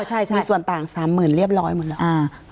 ที่มีส่วนต่างซ้ำหมื่นเรียบร้อยหมดแล้ว